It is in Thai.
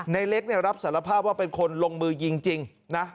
ในเล็กรับสารภาพว่าเป็นคนลงมือยิงจริงนะ